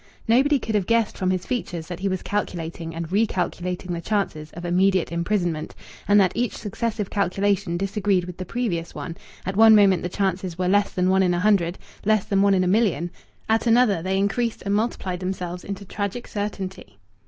Nobody could have guessed from his features that he was calculating and recalculating the chances of immediate imprisonment, and that each successive calculation disagreed with the previous one; at one moment the chances were less than one in a hundred, less than one in a million; at another they increased and multiplied themselves into tragic certainty.